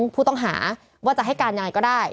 ผู้ต้องหาว่าจะให้การยังไงก็ได้